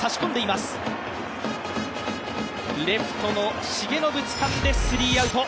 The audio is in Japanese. レフトの重信つかんで、スリーアウト。